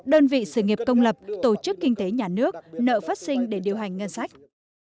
đơn vị sự nghiệp công lập tổ chức kinh tế nhà nước nợ phát sinh để điều hành ngân sách